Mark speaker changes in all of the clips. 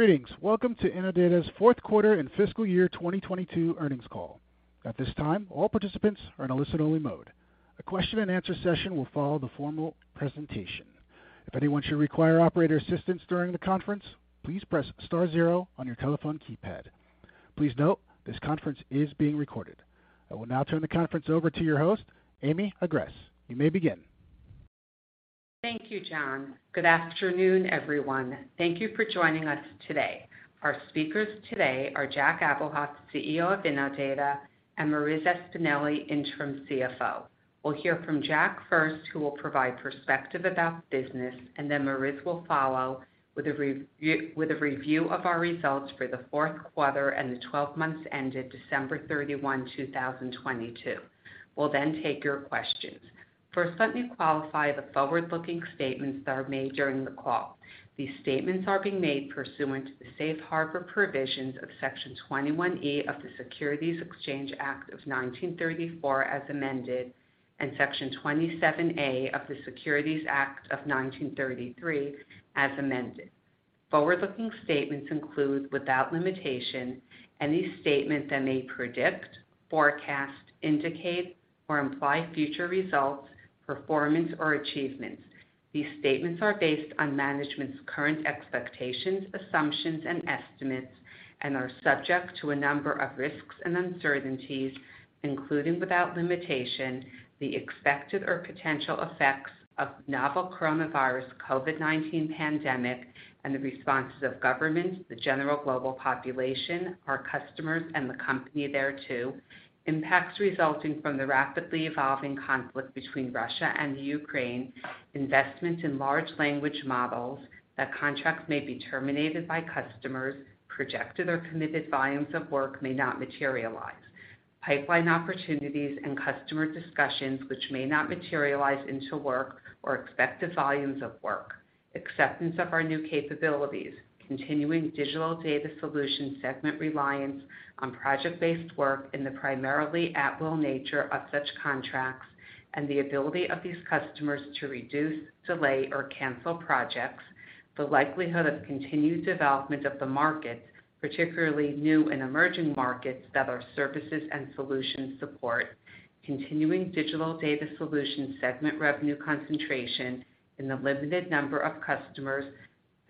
Speaker 1: Greetings. Welcome to Innodata's fourth quarter and fiscal year 2022 earnings call. At this time, all participants are in a listen-only mode. A question and answer session will follow the formal presentation. If anyone should require operator assistance during the conference, please press star zero on your telephone keypad. Please note, this conference is being recorded. I will now turn the conference over to your host, Amy Agress. You may begin.
Speaker 2: Thank you, John. Good afternoon, everyone. Thank you for joining us today. Our speakers today are Jack Abuhoff, CEO of Innodata, and Marissa Espineli, Interim CFO. We'll hear from Jack first, who will provide perspective about the business, and then Marissa will follow with a review of our results for the fourth quarter and the 12 months ended December 31, 2022. We'll take your questions. First, let me qualify the forward-looking statements that are made during the call. These statements are being made pursuant to the Safe Harbor provisions of Section 21E of the Securities Exchange Act of 1934 as amended, and Section 27A of the Securities Act of 1933 as amended. Forward-looking statements include, without limitation, any statement that may predict, forecast, indicate, or imply future results, performance, or achievements. These statements are based on management's current expectations, assumptions, and estimates and are subject to a number of risks and uncertainties, including without limitation, the expected or potential effects of the novel coronavirus COVID-19 pandemic and the responses of governments, the general global population, our customers, and the company thereto. Impacts resulting from the rapidly evolving conflict between Russia and Ukraine. Investments in large language models. That contracts may be terminated by customers. Projected or committed volumes of work may not materialize. Pipeline opportunities and customer discussions which may not materialize into work or expected volumes of work. Acceptance of our new capabilities. Continuing Digital Data Solutions segment reliance on project-based work and the primarily at-will nature of such contracts and the ability of these customers to reduce, delay, or cancel projects. The likelihood of continued development of the market, particularly new and emerging markets that our services and solutions support. Continuing Digital Data Solutions segment revenue concentration in the limited number of customers.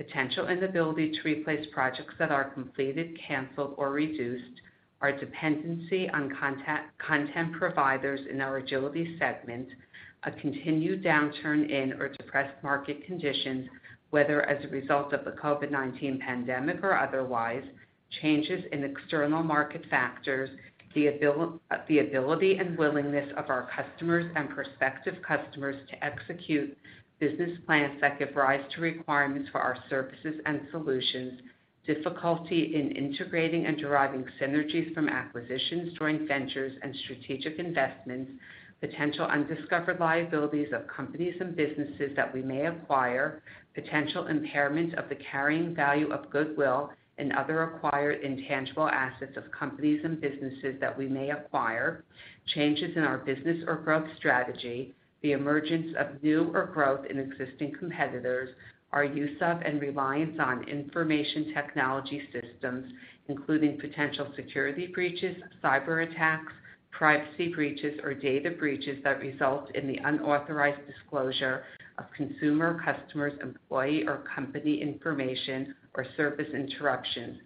Speaker 2: Potential inability to replace projects that are completed, canceled, or reduced. Our dependency on content providers in our Agility segment. A continued downturn in or depressed market conditions, whether as a result of the COVID-19 pandemic or otherwise. Changes in external market factors. The ability and willingness of our customers and prospective customers to execute business plans that give rise to requirements for our services and solutions. Difficulty in integrating and deriving synergies from acquisitions, joint ventures and strategic investments. Potential undiscovered liabilities of companies and businesses that we may acquire. Potential impairment of the carrying value of goodwill and other acquired intangible assets of companies and businesses that we may acquire. Changes in our business or growth strategy. The emergence of new or growth in existing competitors. Our use of and reliance on information technology systems, including potential security breaches, cyber attacks, privacy breaches, or data breaches that result in the unauthorized disclosure of consumer, customers, employee, or company information, or service interruptions.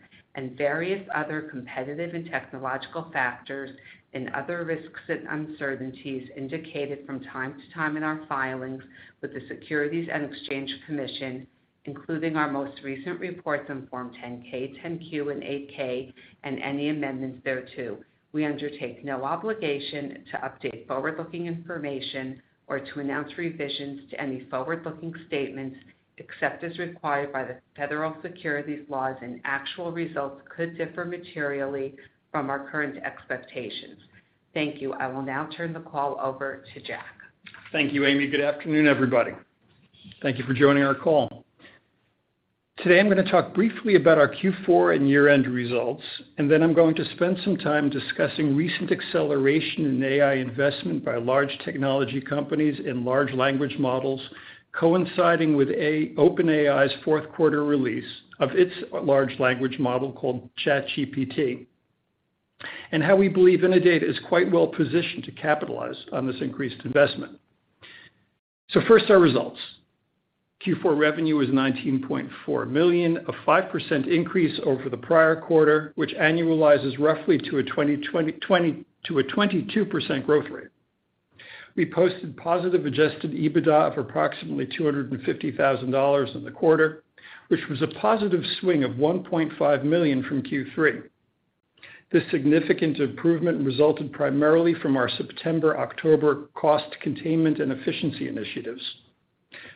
Speaker 2: Various other competitive and technological factors and other risks and uncertainties indicated from time to time in our filings with the Securities and Exchange Commission, including our most recent reports on Form 10-K, 10-Q, and 8-K, and any amendments thereto. We undertake no obligation to update forward-looking information or to announce revisions to any forward-looking statements, except as required by the federal securities laws, and actual results could differ materially from our current expectations. Thank you. I will now turn the call over to Jack.
Speaker 3: Thank you, Amy. Good afternoon, everybody. Thank you for joining our call. Today I'm gonna talk briefly about our Q4 and year-end results, and then I'm going to spend some time discussing recent acceleration in AI investment by large technology companies in large language models, coinciding with OpenAI's fourth quarter release of its large language model called ChatGPT, and how we believe Innodata is quite well positioned to capitalize on this increased investment. First, our results. Q4 revenue was $19.4 million, a 5% increase over the prior quarter, which annualizes roughly to a 22% growth rate. We posted positive adjusted EBITDA of approximately $250,000 in the quarter, which was a positive swing of $1.5 million from Q3. This significant improvement resulted primarily from our September-October cost containment and efficiency initiatives.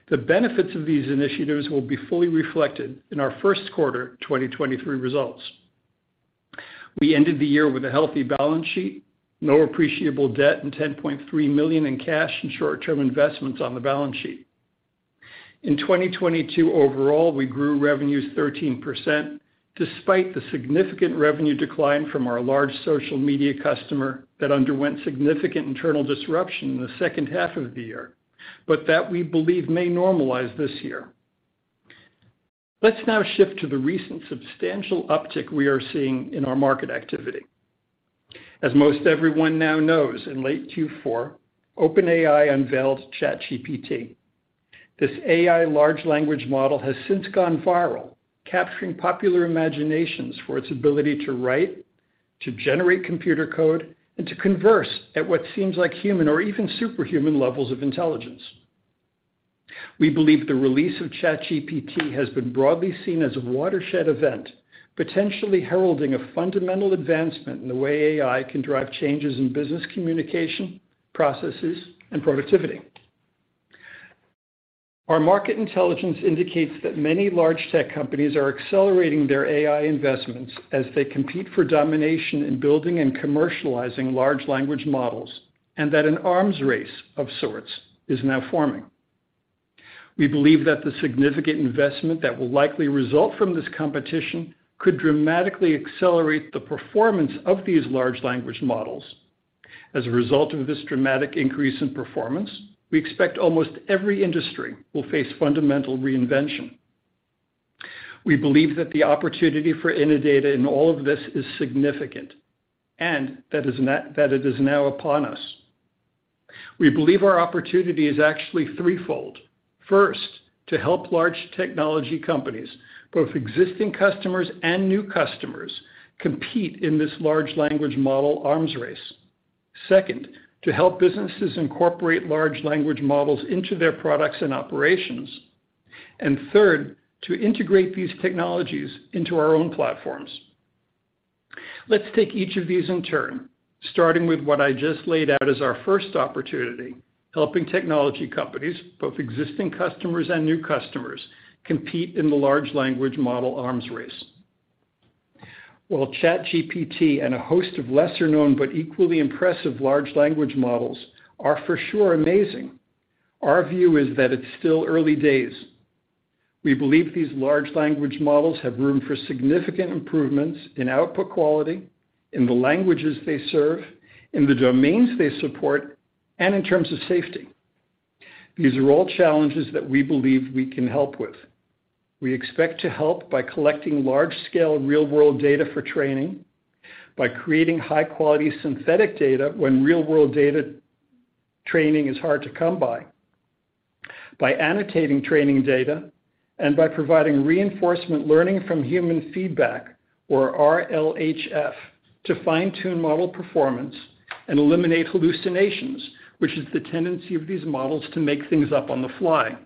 Speaker 3: The benefits of these initiatives will be fully reflected in our first quarter 2023 results. We ended the year with a healthy balance sheet, no appreciable debt, and $10.3 million in cash and short-term investments on the balance sheet. In 2022 overall, we grew revenues 13% despite the significant revenue decline from our large social media customer that underwent significant internal disruption in the second half of the year, that we believe may normalize this year. Let's now shift to the recent substantial uptick we are seeing in our market activity. As most everyone now knows, in late Q4, OpenAI unveiled ChatGPT. This AI large language model has since gone viral, capturing popular imaginations for its ability to write, to generate computer code, and to converse at what seems like human or even superhuman levels of intelligence. We believe the release of ChatGPT has been broadly seen as a watershed event, potentially heralding a fundamental advancement in the way AI can drive changes in business communication, processes, and productivity. Our market intelligence indicates that many large tech companies are accelerating their AI investments as they compete for domination in building and commercializing large language models, and that an arms race of sorts is now forming. We believe that the significant investment that will likely result from this competition could dramatically accelerate the performance of these large language models. As a result of this dramatic increase in performance, we expect almost every industry will face fundamental reinvention. We believe that the opportunity for Innodata in all of this is significant, and that it is now upon us. We believe our opportunity is actually threefold. First, to help large technology companies, both existing customers and new customers, compete in this large language model arms race. Second, to help businesses incorporate large language models into their products and operations. Third, to integrate these technologies into our own platforms. Let's take each of these in turn, starting with what I just laid out as our first opportunity, helping technology companies, both existing customers and new customers, compete in the large language model arms race. While ChatGPT and a host of lesser-known but equally impressive large language models are for sure amazing, our view is that it's still early days. We believe these large language models have room for significant improvements in output quality, in the languages they serve, in the domains they support, and in terms of safety. These are all challenges that we believe we can help with. We expect to help by collecting large-scale real-world data for training, by creating high-quality synthetic data when real-world data training is hard to come by annotating training data, and by providing reinforcement learning from human feedback, or RLHF, to fine-tune model performance and eliminate hallucinations, which is the tendency of these models to make things up on the fly.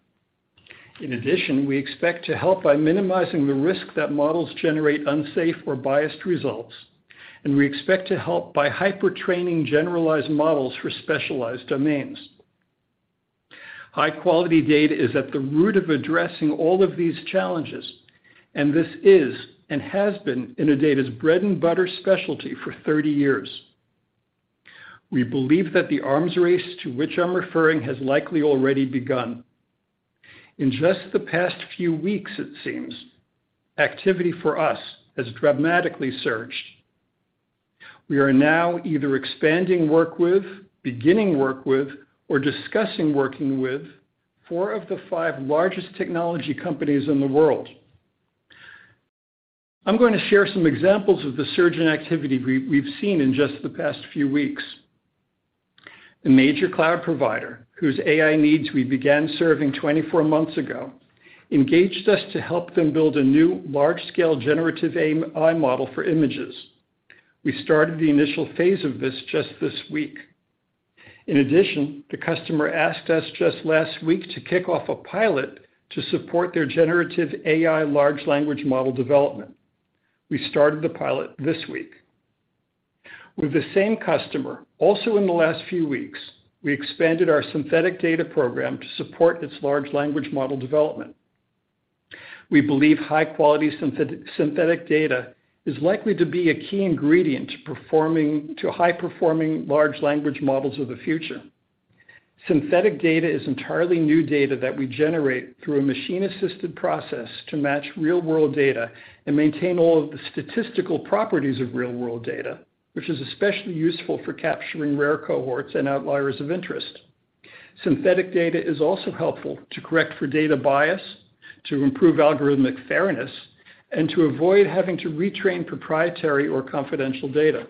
Speaker 3: In addition, we expect to help by minimizing the risk that models generate unsafe or biased results, and we expect to help by hyper-training generalized models for specialized domains. High-quality data is at the root of addressing all of these challenges, and this is and has been Innodata's bread and butter specialty for 30 years. We believe that the arms race to which I'm referring has likely already begun. In just the past few weeks, it seems, activity for us has dramatically surged. We are now either expanding work with, beginning work with, or discussing working with four of the five largest technology companies in the world. I'm going to share some examples of the surge in activity we've seen in just the past few weeks. A major cloud provider, whose AI needs we began serving 24 months ago, engaged us to help them build a new large-scale generative AI model for images. We started the initial phase of this just this week. In addition, the customer asked us just last week to kick off a pilot to support their generative AI large language model development. We started the pilot this week. With the same customer, also in the last few weeks, we expanded our synthetic data program to support its large language model development. We believe high-quality synthetic data is likely to be a key ingredient to high-performing large language models of the future. Synthetic data is entirely new data that we generate through a machine-assisted process to match real-world data and maintain all of the statistical properties of real-world data, which is especially useful for capturing rare cohorts and outliers of interest. Synthetic data is also helpful to correct for data bias, to improve algorithmic fairness, and to avoid having to retrain proprietary or confidential data.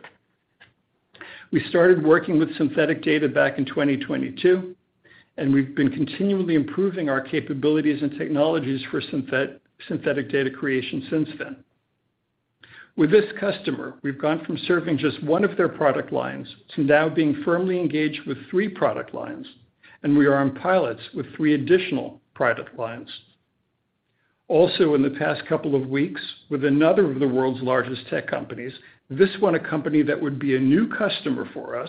Speaker 3: We started working with synthetic data back in 2022, and we've been continually improving our capabilities and technologies for synthetic data creation since then. With this customer, we've gone from serving just one of their product lines to now being firmly engaged with three product lines, and we are on pilots with three additional product lines. In the past couple of weeks, with another of the world's largest tech companies, this one a company that would be a new customer for us,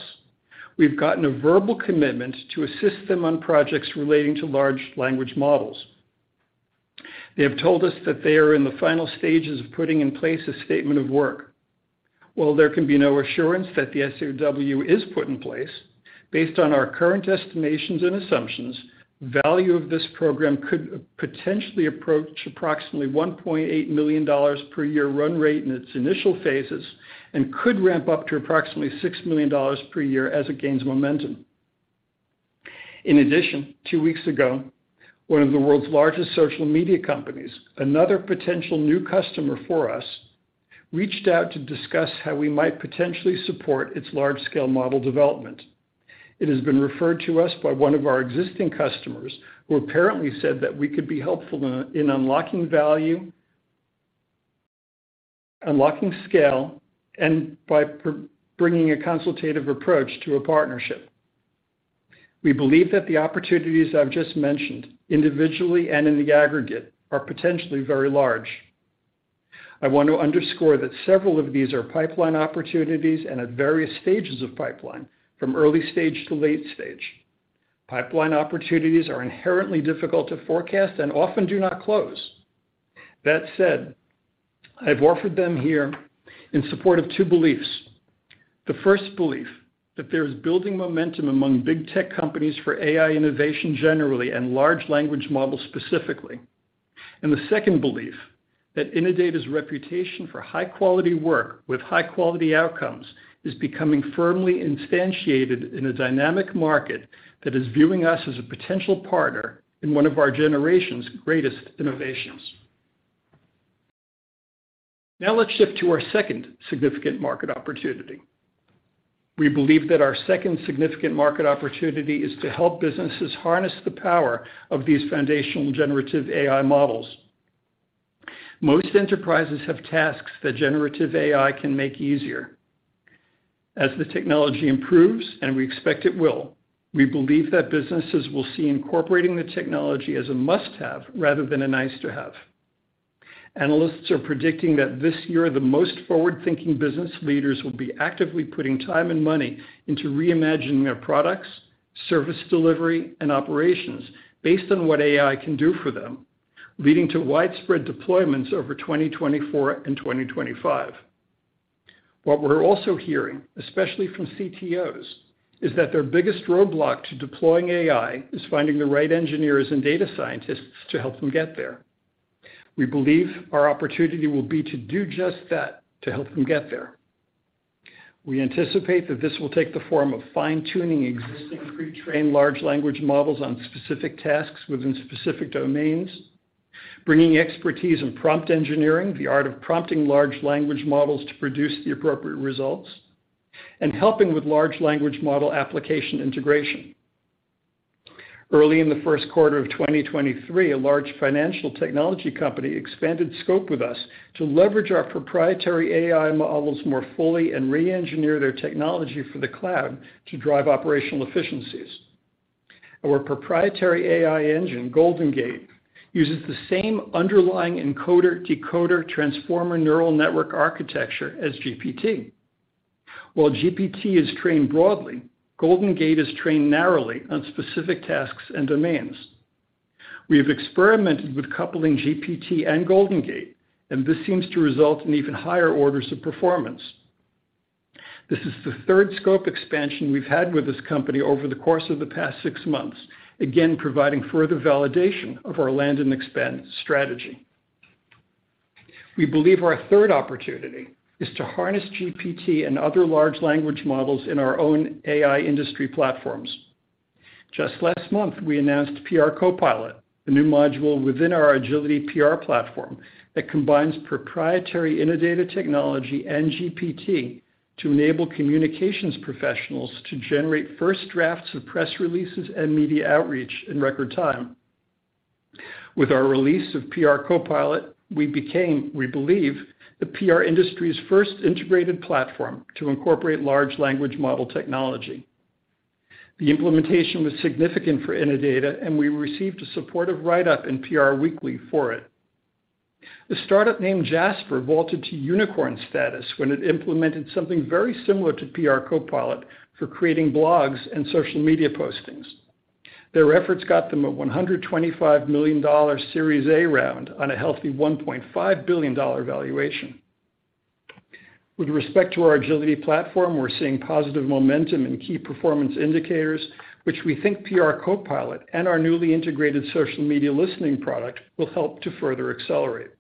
Speaker 3: we've gotten a verbal commitment to assist them on projects relating to Large Language Models. They have told us that they are in the final stages of putting in place a statement of work. While there can be no assurance that the SOW is put in place, based on our current estimations and assumptions, value of this program could potentially approach approximately $1.8 million per year run rate in its initial phases and could ramp up to approximately $6 million per year as it gains momentum. Two weeks ago, one of the world's largest social media companies, another potential new customer for us, reached out to discuss how we might potentially support its large-scale model development. It has been referred to us by one of our existing customers who apparently said that we could be helpful in unlocking value, unlocking scale, and by bringing a consultative approach to a partnership. We believe that the opportunities I've just mentioned, individually and in the aggregate, are potentially very large. I want to underscore that several of these are pipeline opportunities and at various stages of pipeline, from early stage to late stage. Pipeline opportunities are inherently difficult to forecast and often do not close. That said, I've offered them here in support of two beliefs. The first belief, that there's building momentum among big tech companies for AI innovation generally and large language models specifically. The second belief, that Innodata's reputation for high-quality work with high-quality outcomes is becoming firmly instantiated in a dynamic market that is viewing us as a potential partner in one of our generation's greatest innovations. Now let's shift to our second significant market opportunity. We believe that our second significant market opportunity is to help businesses harness the power of these foundational generative AI models. Most enterprises have tasks that generative AI can make easier. As the technology improves, and we expect it will, we believe that businesses will see incorporating the technology as a must-have rather than a nice-to-have. Analysts are predicting that this year, the most forward-thinking business leaders will be actively putting time and money into reimagining their products, service delivery, and operations based on what AI can do for them, leading to widespread deployments over 2024 and 2025. What we're also hearing, especially from CTOs, is that their biggest roadblock to deploying AI is finding the right engineers and data scientists to help them get there. We believe our opportunity will be to do just that, to help them get there. We anticipate that this will take the form of fine-tuning existing pre-trained large language models on specific tasks within specific domains, bringing expertise in prompt engineering, the art of prompting large language models to produce the appropriate results, and helping with large language model application integration. Early in the first quarter of 2023, a large financial technology company expanded scope with us to leverage our proprietary AI models more fully and reengineer their technology for the cloud to drive operational efficiencies. Our proprietary AI engine, Golden Gate, uses the same underlying encoder-decoder transformer neural network architecture as GPT. While GPT is trained broadly, Golden Gate is trained narrowly on specific tasks and domains. We have experimented with coupling GPT and Golden Gate, this seems to result in even higher orders of performance. This is the third scope expansion we've had with this company over the course of the past six months, again, providing further validation of our land and expand strategy. We believe our third opportunity is to harness GPT and other large language models in our own AI industry platforms. Just last month, we announced PR CoPilot, a new module within our Agility PR platform that combines proprietary Innodata technology and GPT to enable communications professionals to generate first drafts of press releases and media outreach in record time. With our release of PR CoPilot, we became, we believe, the PR industry's first integrated platform to incorporate large language model technology. The implementation was significant for Innodata, and we received a supportive write-up in PRWeek for it. A startup named Jasper vaulted to unicorn status when it implemented something very similar to PR CoPilot for creating blogs and social media postings. Their efforts got them a $125 million Series A round on a healthy $1.5 billion valuation. With respect to our Agility platform, we're seeing positive momentum in key performance indicators, which we think PR CoPilot and our newly integrated social media listening product will help to further accelerate.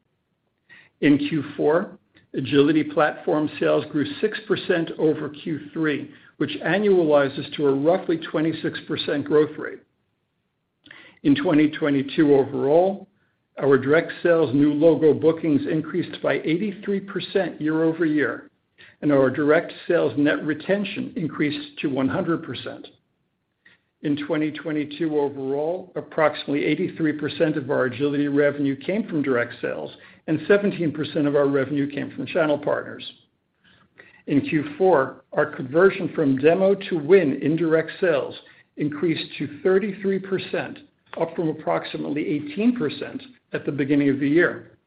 Speaker 3: In Q4, Agility platform sales grew 6% over Q3, which annualizes to a roughly 26% growth rate. In 2022 overall, our direct sales new logo bookings increased by 83% year-over-year, and our direct sales net retention increased to 100%. In 2022 overall, approximately 83% of our Agility revenue came from direct sales, and 17% of our revenue came from channel partners. In Q4, our conversion from demo to win in direct sales increased to 33%, up from approximately 18% at the beginning of the year.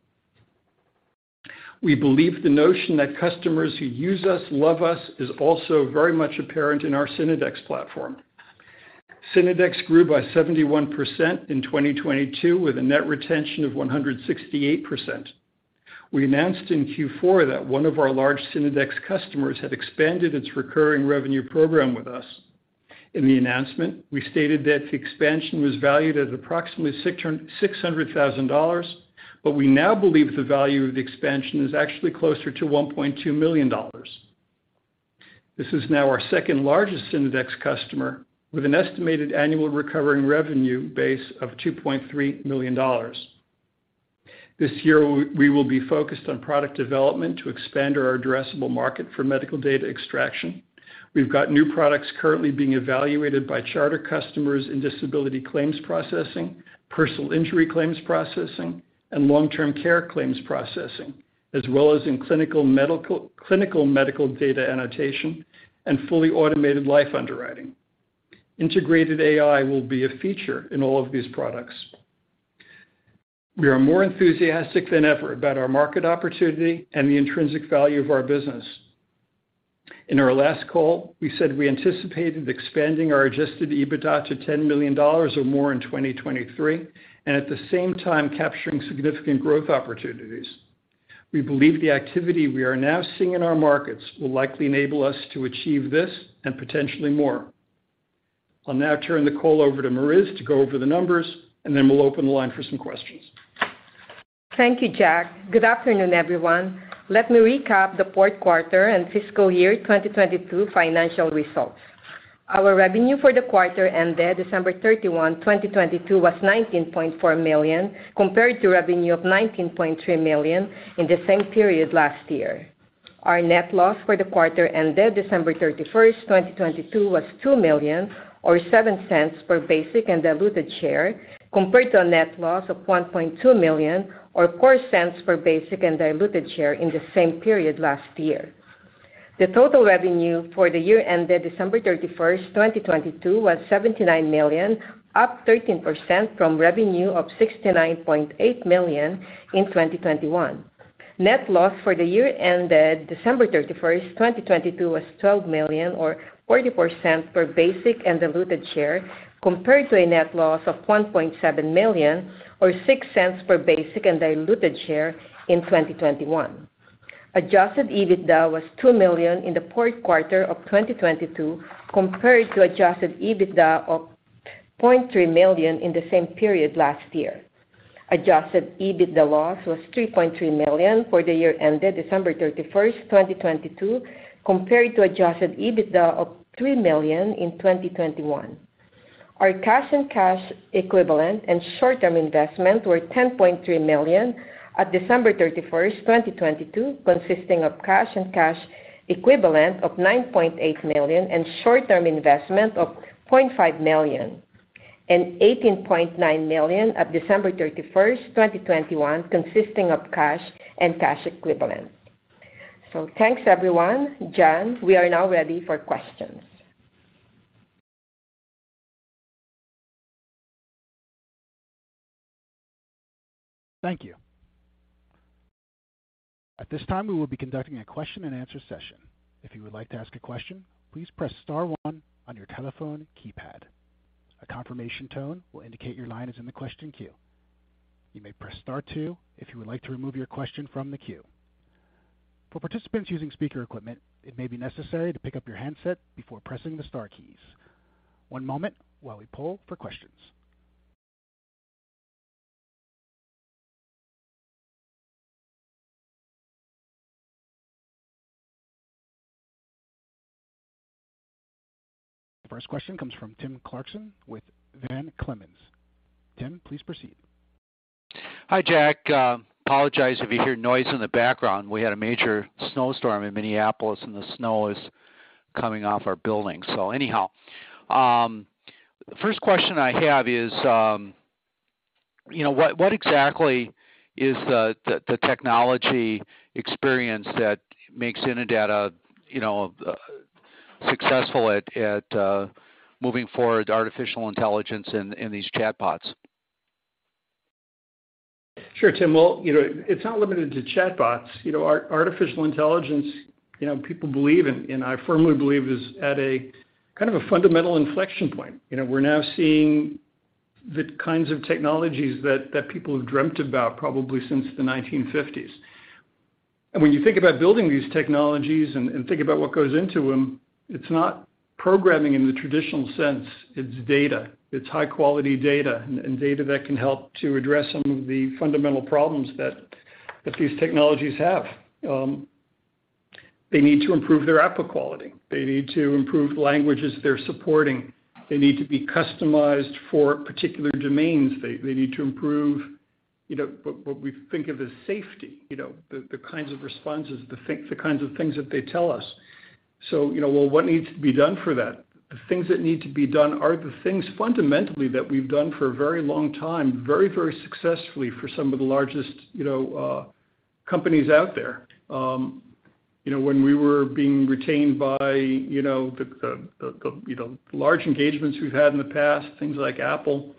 Speaker 3: We believe the notion that customers who use us love us is also very much apparent in our Synodex platform. Synodex grew by 71% in 2022 with a net retention of 168%. We announced in Q4 that one of our large Synodex customers had expanded its recurring revenue program with us. In the announcement, we stated that the expansion was valued at approximately $600,000. We now believe the value of the expansion is actually closer to $1.2 million. This is now our second largest Synodex customer with an estimated annual recovering revenue base of $2.3 million. This year, we will be focused on product development to expand our addressable market for medical data extraction. We've got new products currently being evaluated by charter customers in disability claims processing, personal injury claims processing, and long-term care claims processing, as well as in clinical medical data annotation and fully automated life underwriting. Integrated AI will be a feature in all of these products. We are more enthusiastic than ever about our market opportunity and the intrinsic value of our business. In our last call, we said we anticipated expanding our adjusted EBITDA to $10 million or more in 2023, and at the same time capturing significant growth opportunities. We believe the activity we are now seeing in our markets will likely enable us to achieve this and potentially more. I'll now turn the call over to Marissa to go over the numbers, and then we'll open the line for some questions.
Speaker 4: Thank you, Jack. Good afternoon, everyone. Let me recap the fourth quarter and fiscal year 2022 financial results. Our revenue for the quarter ended December 31, 2022 was $19.4 million, compared to revenue of $19.3 million in the same period last year. Our net loss for the quarter ended December 31st, 2022 was $2 million or $0.07 per basic and diluted share, compared to a net loss of $1.2 million or $0.04 per basic and diluted share in the same period last year. The total revenue for the year ended December 31st, 2022 was $79 million, up 13% from revenue of $69.8 million in 2021. Net loss for the year ended December 31st, 2022 was $12 million or 40% per basic and diluted share, compared to a net loss of $1.7 million or $0.06 per basic and diluted share in 2021. Adjusted EBITDA was $2 million in the fourth quarter of 2022, compared to Adjusted EBITDA of $0.3 million in the same period last year. Adjusted EBITDA loss was $3.3 million for the year ended December 31st, 2022, compared to Adjusted EBITDA of $3 million in 2021. Our cash and cash equivalent and short-term investment were $10.3 million at December 31st, 2022, consisting of cash and cash equivalent of $9.8 million and short-term investment of $0.5 million, and $18.9 million at December 31st, 2021, consisting of cash and cash equivalent. Thanks, everyone. John, we are now ready for questions.
Speaker 1: Thank you. At this time, we will be conducting a question and answer session. If you would like to ask a question, please press star one on your telephone keypad. A confirmation tone will indicate your line is in the question queue. You may press star two if you would like to remove your question from the queue. For participants using speaker equipment, it may be necessary to pick up your handset before pressing the star keys. One moment while we pull for questions. First question comes from Tim Clarkson with Van Clemens. Tim, please proceed.
Speaker 5: Hi, Jack. Apologize if you hear noise in the background. We had a major snowstorm in Minneapolis, and the snow is coming off our building. Anyhow, first question I have is, you know, what exactly is the technology experience that makes Innodata, you know, successful at moving forward artificial intelligence in these chatbots?
Speaker 3: Sure, Tim. Well, you know, it's not limited to chatbots. You know, artificial intelligence, you know, people believe in, and I firmly believe is at a kind of a fundamental inflection point. You know, we're now seeing the kinds of technologies that people have dreamt about probably since the 1950s. When you think about building these technologies and think about what goes into them, it's not programming in the traditional sense. It's data. It's high-quality data and data that can help to address some of the fundamental problems that these technologies have. They need to improve their app quality. They need to improve languages they're supporting. They need to be customized for particular domains. They need to improve, you know, what we think of as safety, you know, the kinds of responses, the kinds of things that they tell us. You know, well, what needs to be done for that? The things that need to be done are the things fundamentally that we've done for a very long time, very, very successfully for some of the largest, you know, companies out there. You know, when we were being retained by, you know, the large engagements we've had in the past, things like Apple,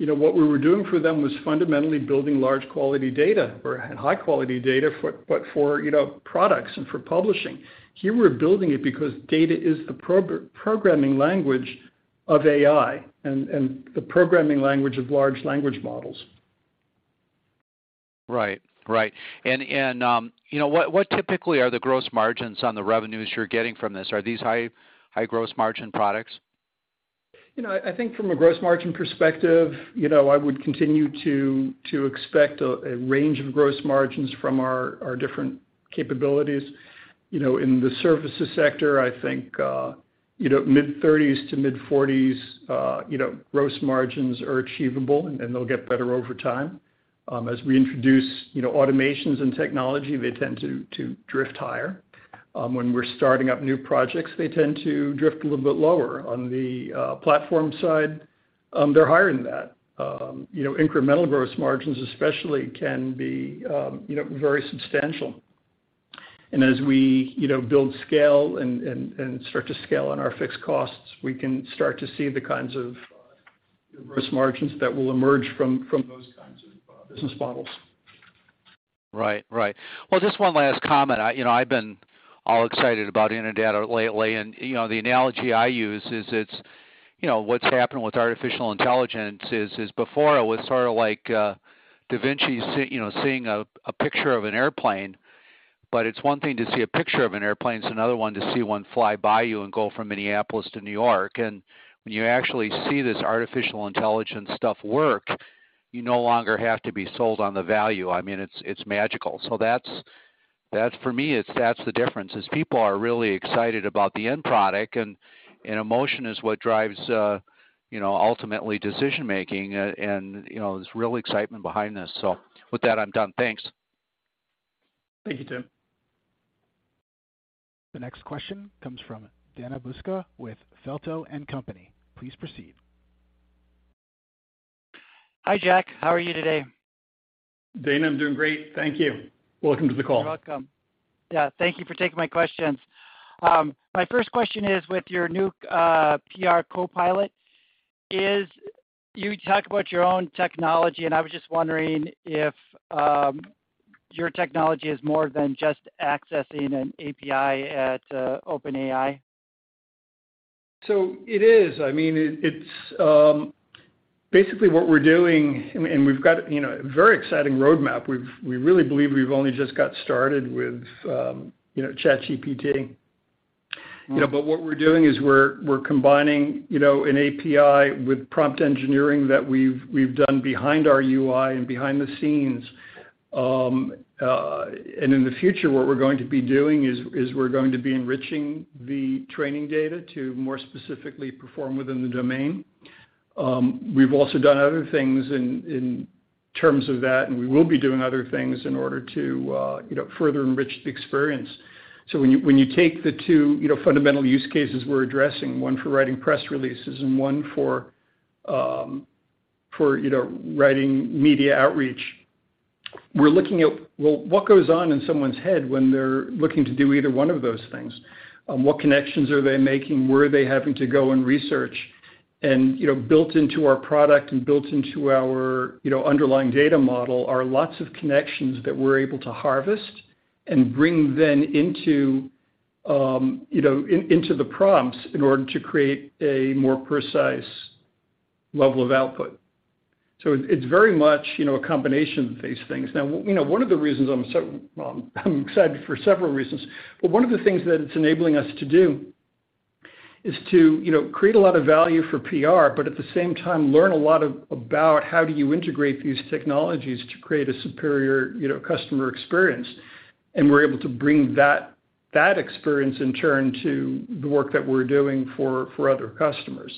Speaker 3: you know, what we were doing for them was fundamentally building large quality data or high quality data for, you know, products and for publishing. Here, we're building it because data is the programming language of AI and the programming language of large language models.
Speaker 5: Right. Right. you know, what typically are the gross margins on the revenues you're getting from this? Are these high-gross margin products?
Speaker 3: You know, I think from a gross margin perspective, you know, I would continue to expect a range of gross margins from our different capabilities. You know, in the services sector, I think, you know, mid-30s to mid-40s, you know, gross margins are achievable, and they'll get better over time. As we introduce, you know, automations and technology, they tend to drift higher. When we're starting up new projects, they tend to drift a little bit lower. On the platform side, they're higher than that. You know, incremental gross margins especially can be, you know, very substantial. As we, you know, build scale and start to scale on our fixed costs, we can start to see the kinds of gross margins that will emerge from those kinds of business models.
Speaker 5: Right. Right. Well, just one last comment. I, you know, I've been all excited about Innodata lately, and, you know, the analogy I use is it's, you know, what's happened with artificial intelligence is before it was sort of like da Vinci, you know, seeing a picture of an airplane, but it's one thing to see a picture of an airplane, it's another one to see one fly by you and go from Minneapolis to New York. When you actually see this artificial intelligence stuff work, you no longer have to be sold on the value. I mean, it's magical. That's, that's for me, it's, that's the difference, is people are really excited about the end product and emotion is what drives, you know, ultimately decision-making and, you know, there's real excitement behind this. With that, I'm done. Thanks.
Speaker 3: Thank you, Tim.
Speaker 1: The next question comes from Dana Buska with Feltl and Company. Please proceed.
Speaker 6: Hi, Jack. How are you today?
Speaker 3: Dana, I'm doing great. Thank you. Welcome to the call.
Speaker 6: You're welcome. Yeah, thank you for taking my questions. My first question is with your new PR CoPilot, is you talk about your own technology, and I was just wondering if your technology is more than just accessing an API at OpenAI.
Speaker 3: It is. I mean, it's... Basically what we're doing, and we've got, you know, a very exciting roadmap. We really believe we've only just got started with, you know, ChatGPT.
Speaker 6: Mm.
Speaker 3: You know, what we're doing is we're combining, you know, an API with prompt engineering that we've done behind our UI and behind the scenes. In the future, what we're going to be doing is we're going to be enriching the training data to more specifically perform within the domain. We've also done other things in terms of that, and we will be doing other things in order to, you know, further enrich the experience. When you take the two, you know, fundamental use cases we're addressing, one for writing press releases and one for writing media outreach, we're looking at, well, what goes on in someone's head when they're looking to do either one of those things? What connections are they making? Where are they having to go and research? You know, built into our product and built into our, you know, underlying data model are lots of connections that we're able to harvest and bring then into, you know, into the prompts in order to create a more precise level of output. It's very much, you know, a combination of these things. You know, one of the reasons I'm so. Well, I'm excited for several reasons, but one of the things that it's enabling us to do is to, you know, create a lot of value for PR, but at the same time, learn a lot about how do you integrate these technologies to create a superior, you know, customer experience. We're able to bring that experience in turn to the work that we're doing for other customers.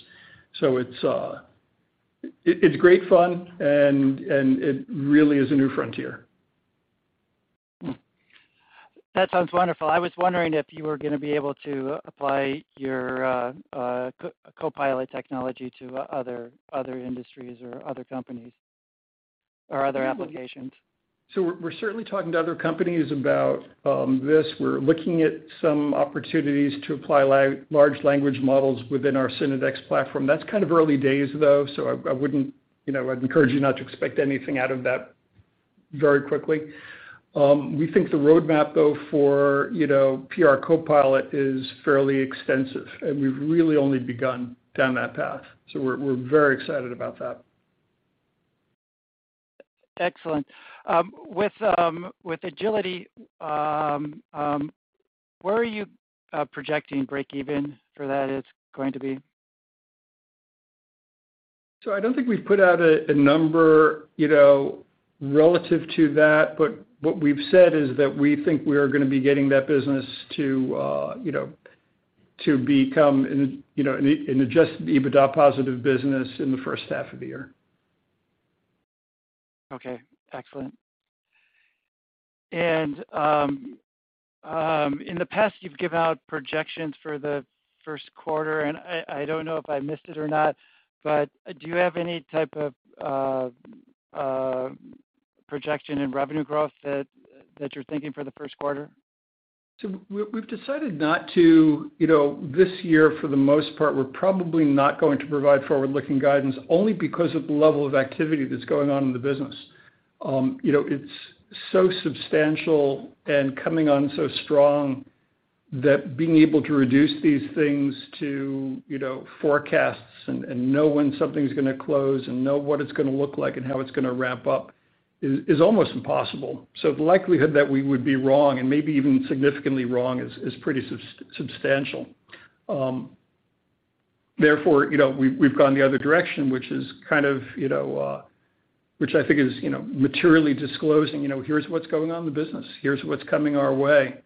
Speaker 3: It's great fun and it really is a new frontier.
Speaker 6: Hmm. That sounds wonderful. I was wondering if you were gonna be able to apply your CoPilot technology to other industries or other companies or other applications?
Speaker 3: We're certainly talking to other companies about this. We're looking at some opportunities to apply large language models within our Synodex platform. That's kind of early days though, I wouldn't, you know, I'd encourage you not to expect anything out of that very quickly. We think the roadmap though for, you know, PR CoPilot is fairly extensive, and we've really only begun down that path, we're very excited about that.
Speaker 6: Excellent. With Agility, where are you projecting breakeven for that is going to be?
Speaker 3: I don't think we've put out a number, you know, relative to that, but what we've said is that we think we are gonna be getting that business to, you know, to become an adjusted EBITDA positive business in the first half of the year.
Speaker 6: Okay. Excellent. In the past, you've given out projections for the first quarter, and I don't know if I missed it or not, but do you have any type of projection in revenue growth that you're thinking for the first quarter?
Speaker 3: We've decided not to. You know, this year, for the most part, we're probably not going to provide forward-looking guidance only because of the level of activity that's going on in the business. You know, it's so substantial and coming on so strong that being able to reduce these things to, you know, forecasts and know when something's gonna close and know what it's gonna look like and how it's gonna ramp up is almost impossible. The likelihood that we would be wrong and maybe even significantly wrong is pretty substantial. Therefore, you know, we've gone the other direction, which is kind of, you know, which I think is, you know, materially disclosing, you know, here's what's going on in the business. Here's what's coming our way.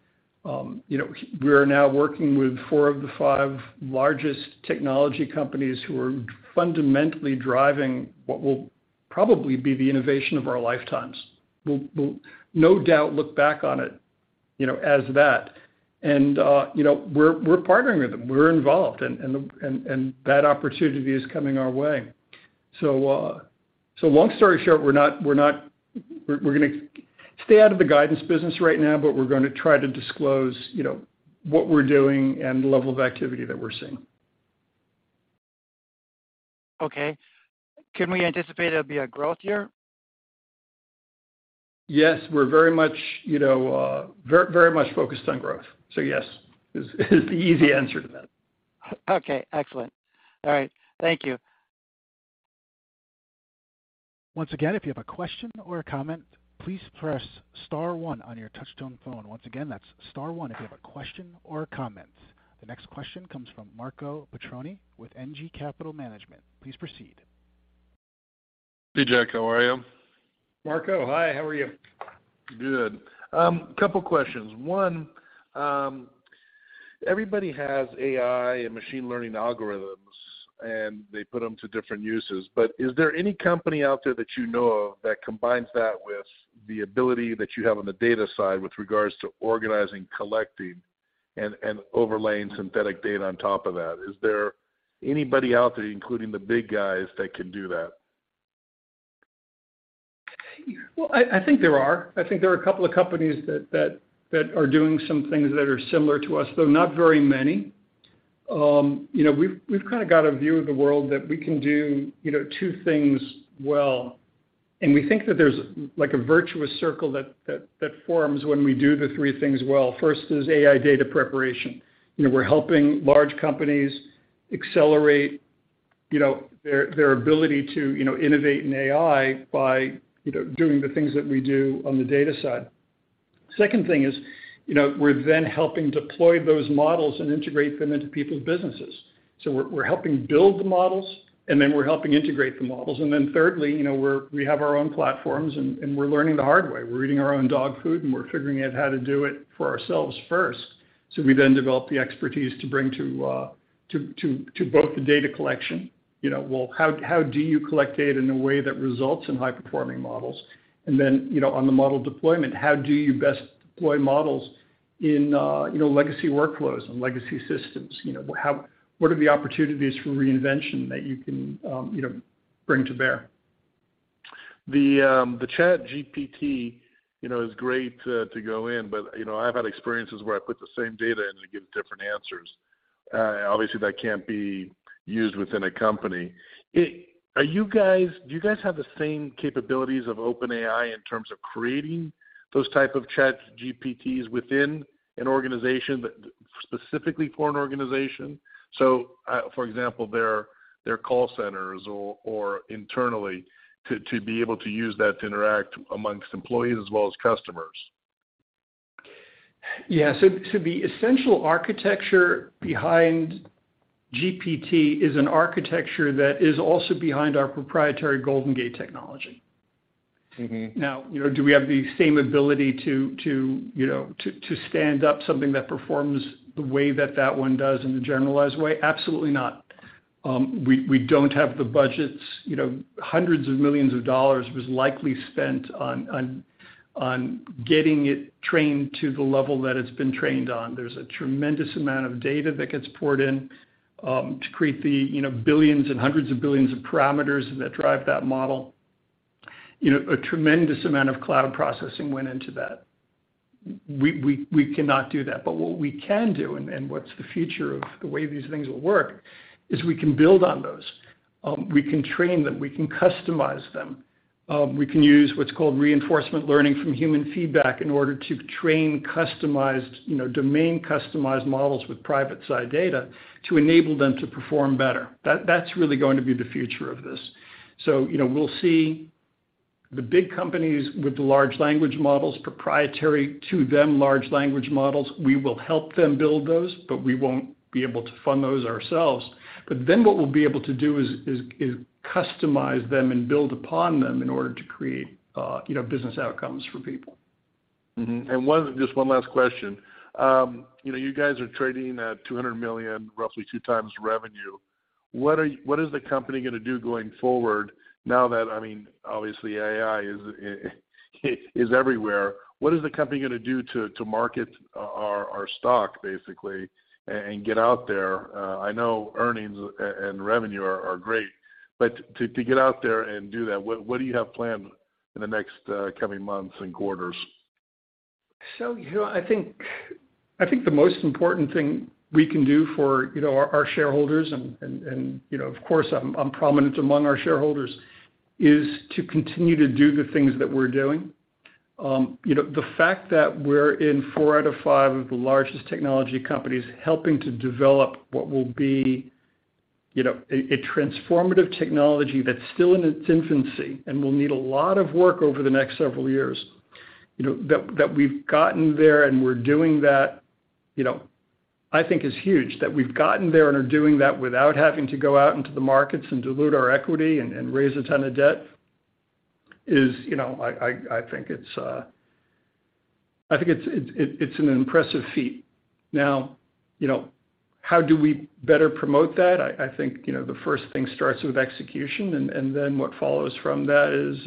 Speaker 3: You know, we are now working with four of the five largest technology companies who are fundamentally driving what will probably be the innovation of our lifetimes. We'll no doubt look back on it, you know, as that. You know, we're partnering with them. We're involved, and that opportunity is coming our way. Long story short, we're gonna stay out of the guidance business right now, but we're gonna try to disclose, you know, what we're doing and the level of activity that we're seeing.
Speaker 6: Can we anticipate there'll be a growth year?
Speaker 3: Yes. We're very much, you know, very much focused on growth. Yes, is the easy answer to that.
Speaker 6: Okay. Excellent. All right. Thank you.
Speaker 1: Once again, if you have a question or a comment, please press star one on your touchtone phone. Once again, that's star one if you have a question or a comment. The next question comes from Marco Petroni with MG Capital Management. Please proceed.
Speaker 7: Hey, Jack. How are you?
Speaker 3: Marco, hi. How are you?
Speaker 7: Good. Couple questions. One, everybody has AI and machine learning algorithms, and they put them to different uses. Is there any company out there that you know of that combines that with the ability that you have on the data side with regards to organizing, collecting, and overlaying synthetic data on top of that? Is there anybody out there, including the big guys, that can do that?
Speaker 3: Well, I think there are. I think there are a couple of companies that are doing some things that are similar to us, though not very many. You know, we've kinda got a view of the world that we can do, you know, two things well, and we think that there's like a virtuous circle that forms when we do the three things well. First is AI data preparation. You know, we're helping large companies accelerate, you know, their ability to, you know, innovate in AI by, you know, doing the things that we do on the data side. Second thing is, you know, we're then helping deploy those models and integrate them into people's businesses. We're, we're helping build the models, and then we're helping integrate the models. Thirdly, you know, we have our own platforms, and we're learning the hard way. We're eating our own dog food, and we're figuring out how to do it for ourselves first. We then develop the expertise to bring to both the data collection, you know, well, how do you collect data in a way that results in high-performing models? Then, you know, on the model deployment, how do you best deploy models in, you know, legacy workflows and legacy systems? You know, what are the opportunities for reinvention that you can, you know, bring to bear?
Speaker 7: The, the ChatGPT, you know, is great to go in, you know, I've had experiences where I put the same data in and I get different answers. Obviously, that can't be used within a company. Do you guys have the same capabilities of OpenAI in terms of creating those type of ChatGPTs within an organization that... specifically for an organization? For example, their call centers or internally to be able to use that to interact amongst employees as well as customers.
Speaker 3: Yeah. The essential architecture behind GPT is an architecture that is also behind our proprietary Golden Gate technology.
Speaker 7: Mm-hmm.
Speaker 3: Now, you know, do we have the same ability to, you know, to stand up something that performs the way that that one does in a generalized way? Absolutely not. We don't have the budgets. You know, hundreds of millions of dollars was likely spent on getting it trained to the level that it's been trained on. There's a tremendous amount of data that gets poured in, to create the, you know, billions and hundreds of billions of parameters that drive that model. You know, a tremendous amount of cloud processing went into that. We cannot do that. What we can do and what's the future of the way these things will work is we can build on those. We can train them. We can customize them. We can use what's called reinforcement learning from human feedback in order to train customized, you know, domain customized models with private side data to enable them to perform better. That's really going to be the future of this. You know, we'll see the big companies with the large language models, proprietary to them, large language models. We will help them build those, but we won't be able to fund those ourselves. What we'll be able to do is customize them and build upon them in order to create, you know, business outcomes for people.
Speaker 7: Just one last question. you know, you guys are trading at $200 million, roughly 2x revenue. What is the company gonna do going forward now that, I mean, obviously, AI is everywhere? What is the company gonna do to market our stock basically and get out there? I know earnings and revenue are great, but to get out there and do that, what do you have planned in the next coming months and quarters?
Speaker 3: You know, I think the most important thing we can do for, you know, our shareholders and, you know, of course, I'm prominent among our shareholders, is to continue to do the things that we're doing. You know, the fact that we're in four out of five of the largest technology companies helping to develop what will be a transformative technology that's still in its infancy and will need a lot of work over the next several years, you know, that we've gotten there and we're doing that, you know, I think is huge. That we've gotten there and are doing that without having to go out into the markets and dilute our equity and raise a ton of debt is, you know, I think it's, I think it's an impressive feat. You know, how do we better promote that? I think, you know, the first thing starts with execution and then what follows from that is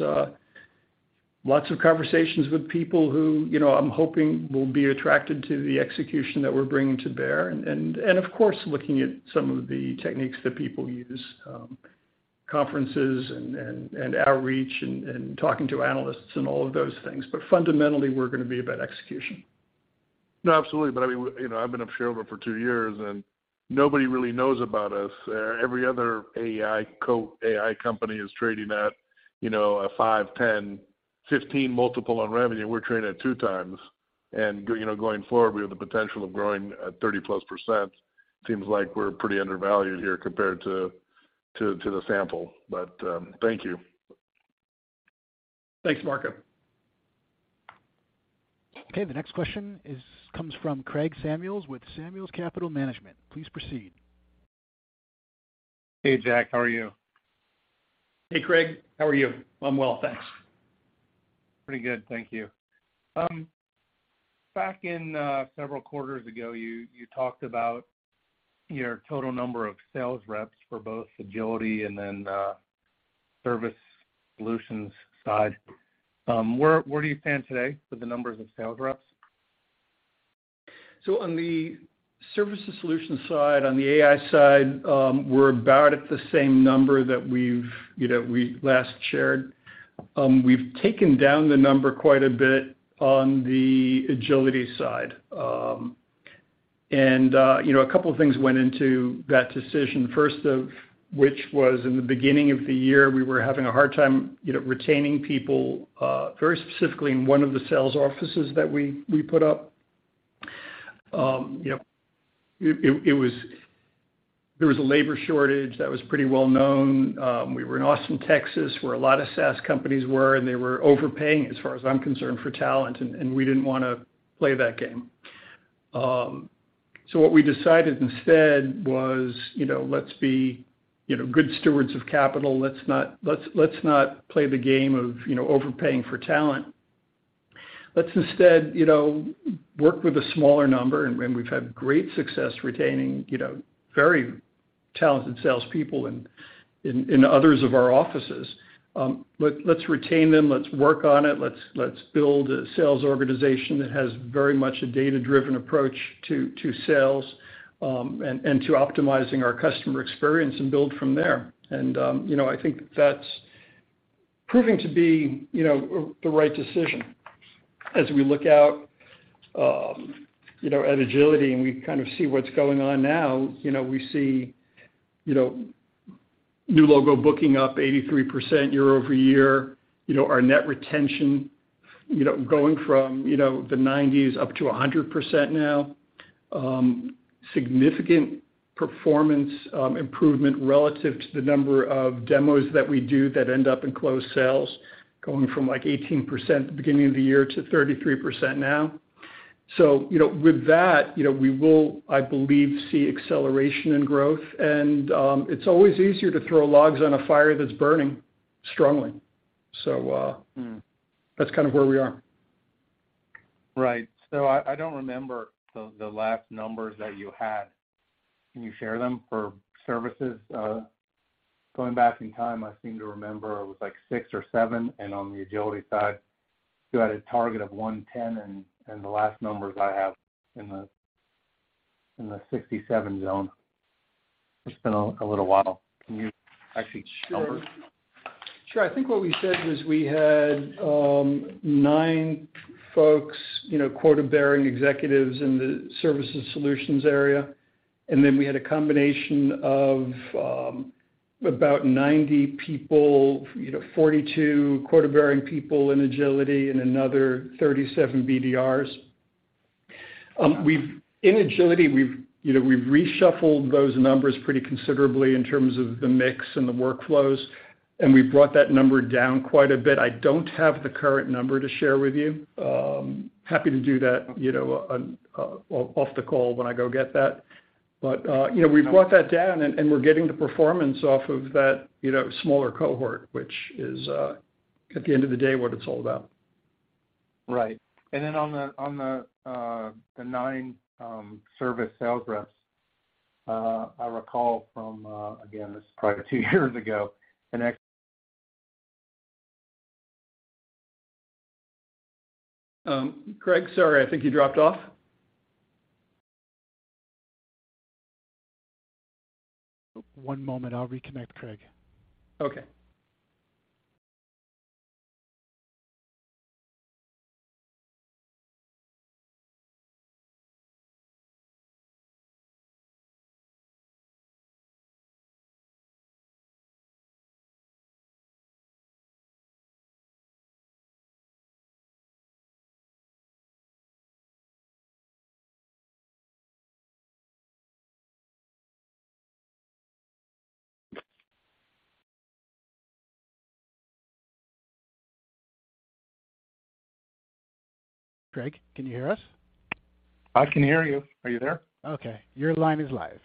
Speaker 3: lots of conversations with people who, you know, I'm hoping will be attracted to the execution that we're bringing to bear and of course, looking at some of the techniques that people use, conferences and outreach and talking to analysts and all of those things. Fundamentally, we're gonna be about execution.
Speaker 7: No, absolutely. I mean, you know, I've been a shareholder for two years, and nobody really knows about us. Every other AI company is trading at, you know, a five, 10, 15 multiple on revenue. We're trading at two times. You know, going forward, we have the potential of growing at 30+%. Seems like we're pretty undervalued here compared to the sample. Thank you.
Speaker 3: Thanks, Marco.
Speaker 1: Okay. The next question comes from Craig Samuels with Samuels Capital Management. Please proceed.
Speaker 8: Hey, Jack. How are you?
Speaker 3: Hey, Craig. How are you? I'm well, thanks.
Speaker 8: Pretty good. Thank you. Back in several quarters ago, you talked about your total number of sales reps for both Agility and then the service solutions side. Where do you stand today with the numbers of sales reps?
Speaker 3: On the services solutions side, on the AI side, we're about at the same number that we've, you know, we last shared. We've taken down the number quite a bit on the Agility side. You know, a couple of things went into that decision. First of which was in the beginning of the year, we were having a hard time, you know, retaining people, very specifically in one of the sales offices that we put up. You know, there was a labor shortage that was pretty well known. We were in Austin, Texas, where a lot of SaaS companies were, and they were overpaying, as far as I'm concerned, for talent, and we didn't wanna play that game. What we decided instead was, you know, let's be, you know, good stewards of capital. Let's not play the game of, you know, overpaying for talent. Let's instead, you know, work with a smaller number, and we've had great success retaining, you know, very talented salespeople in others of our offices. Let's retain them. Let's work on it. Let's build a sales organization that has very much a data-driven approach to sales, and to optimizing our customer experience and build from there. I think that's proving to be, you know, the right decision. As we look out, you know, at Agility and we kind of see what's going on now, you know, we see, you know, new logo booking up 83% year-over-year. You know, our net retention, you know, going from, you know, the nineties up to 100% now. Significant performance improvement relative to the number of demos that we do that end up in closed sales, going from 18% at the beginning of the year to 33% now. You know, with that, you know, we will, I believe, see acceleration and growth. It's always easier to throw logs on a fire that's burning strongly.
Speaker 8: Mm.
Speaker 3: That's kind of where we are.
Speaker 8: Right. I don't remember the last numbers that you had. Can you share them for services? Going back in time, I seem to remember it was, like, 6 or 7, and on the Agility side, you had a target of 110, and the last numbers I have in the 67 zone. It's been a little while. Can you actually share numbers?
Speaker 3: Sure. I think what we said was we had, nine folks, you know, quota-bearing executives in the services solutions area, and then we had a combination of about 90 people, you know, 42 quota-bearing people in Agility and another 37 BDRs. In Agility, we've, you know, we've reshuffled those numbers pretty considerably in terms of the mix and the workflows, and we've brought that number down quite a bit. I don't have the current number to share with you. Happy to do that, you know, off the call when I go get that. You know, we've brought that down and we're getting the performance off of that, you know, smaller cohort, which is, at the end of the day, what it's all about.
Speaker 8: Right. On the, on the nine service sales reps, I recall from, again, this is probably two years ago.
Speaker 3: Craig, sorry, I think you dropped off.
Speaker 1: One moment. I'll reconnect Craig.
Speaker 3: Okay.
Speaker 1: Craig, can you hear us?
Speaker 8: I can hear you. Are you there?
Speaker 1: Okay. Your line is live.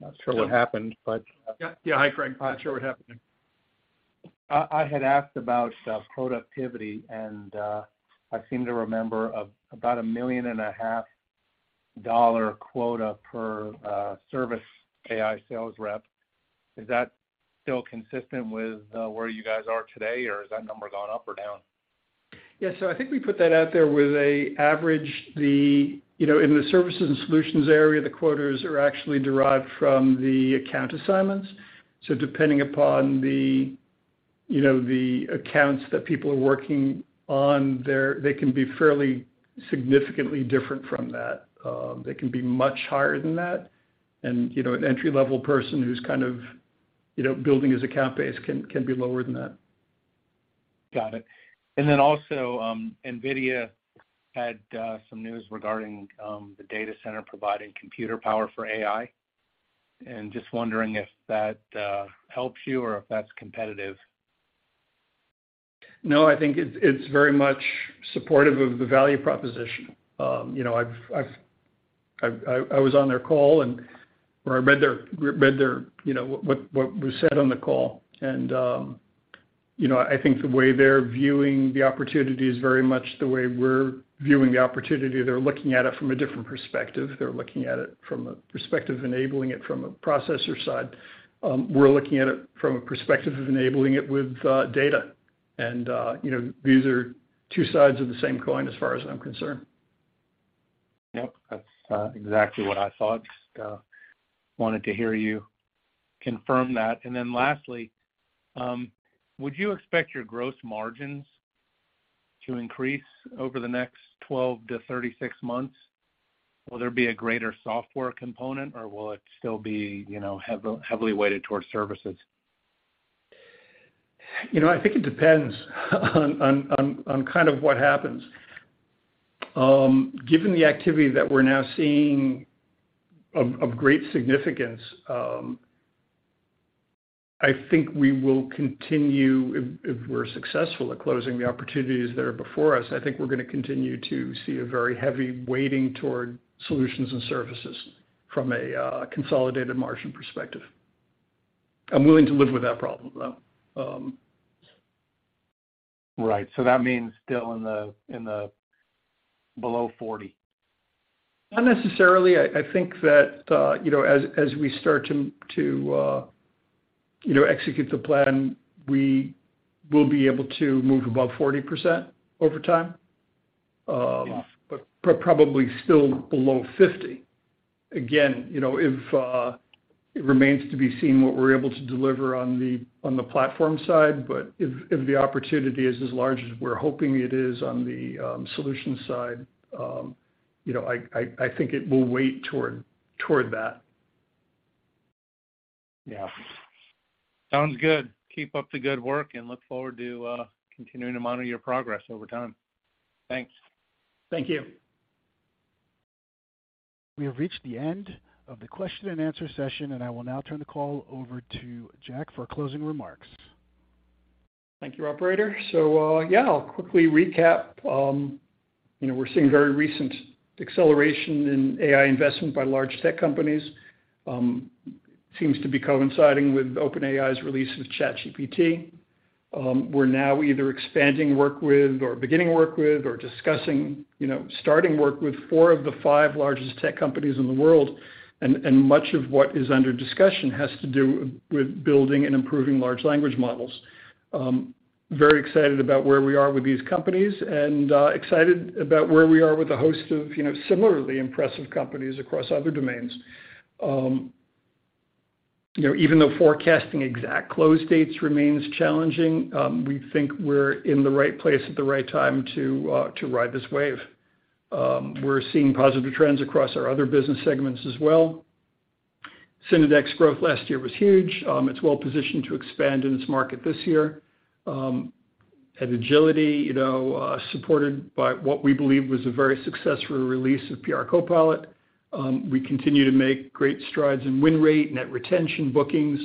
Speaker 8: Not sure what happened.
Speaker 3: Yeah. Yeah. Hi, Craig. Not sure what happened.
Speaker 8: I had asked about productivity, and I seem to remember about a million and a half dollar quota per service AI sales rep. Is that still consistent with where you guys are today, or has that number gone up or down?
Speaker 3: Yeah. I think we put that out there with a average. The, you know, in the services and solutions area, the quotas are actually derived from the account assignments. Depending upon the, you know, the accounts that people are working on, they can be fairly significantly different from that. They can be much higher than that. You know, an entry-level person who's kind of, you know, building his account base can be lower than that.
Speaker 8: Got it. Also, NVIDIA had some news regarding the data center providing computer power for AI. Just wondering if that helps you or if that's competitive?
Speaker 3: No, I think it's very much supportive of the value proposition. You know, I was on their call or I read their, you know, what was said on the call and, you know, I think the way they're viewing the opportunity is very much the way we're viewing the opportunity. They're looking at it from a different perspective. They're looking at it from a perspective enabling it from a processor side. We're looking at it from a perspective of enabling it with data. You know, these are two sides of the same coin as far as I'm concerned.
Speaker 8: Yep, that's exactly what I thought. Just wanted to hear you confirm that. Lastly, would you expect your growth margins to increase over the next 12 to 36 months? Will there be a greater software component, or will it still be, you know, heavily weighted towards services?
Speaker 3: You know, I think it depends on kind of what happens. Given the activity that we're now seeing of great significance, I think we will continue if we're successful at closing the opportunities that are before us, I think we're gonna continue to see a very heavy weighting toward solutions and services from a consolidated margin perspective. I'm willing to live with that problem, though.
Speaker 8: Right. That means still in the below 40.
Speaker 3: Not necessarily. I think that, you know, as we start to execute the plan, we will be able to move above 40% over time. Probably still below 50. Again, you know, if it remains to be seen what we're able to deliver on the platform side, but if the opportunity is as large as we're hoping it is on the solutions side, you know, I think it will weight toward that.
Speaker 8: Yeah. Sounds good. Keep up the good work, and look forward to, continuing to monitor your progress over time. Thanks.
Speaker 3: Thank you.
Speaker 1: We have reached the end of the question and answer session, and I will now turn the call over to Jack for closing remarks.
Speaker 3: Thank you, operator. Yeah, I'll quickly recap. You know, we're seeing very recent acceleration in AI investment by large tech companies. Seems to be coinciding with OpenAI's release of ChatGPT. We're now either expanding work with or beginning work with or discussing, you know, starting work with four of the five largest tech companies in the world, and much of what is under discussion has to do with building and improving large language models. Very excited about where we are with these companies and excited about where we are with a host of, you know, similarly impressive companies across other domains. You know, even though forecasting exact close dates remains challenging, we think we're in the right place at the right time to ride this wave. We're seeing positive trends across our other business segments as well. Synodex growth last year was huge. It's well positioned to expand in its market this year. At Agility, you know, supported by what we believe was a very successful release of PR CoPilot, we continue to make great strides in win rate, net retention bookings,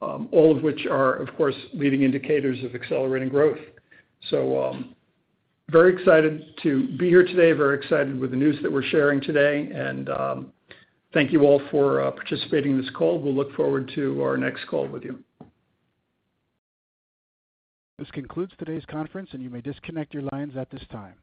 Speaker 3: all of which are, of course, leading indicators of accelerating growth. Very excited to be here today. Very excited with the news that we're sharing today, thank you all for participating in this call. We'll look forward to our next call with you.
Speaker 1: This concludes today's conference, and you may disconnect your lines at this time. Thank you.